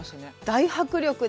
大迫力で。